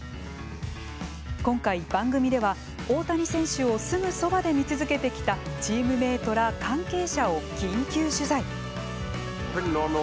今回番組では大谷選手をすぐそばで見続けてきたチームメートら関係者を緊急取材。